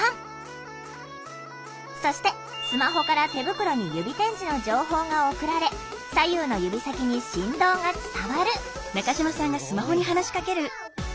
そしてスマホから手袋に指点字の情報が送られ左右の指先に振動が伝わる。